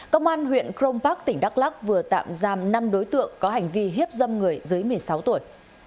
công an huyện crong park tỉnh đắk lắc vừa tạm giam năm đối tượng có hành vi hiếp dâm người dưới một mươi sáu tuổi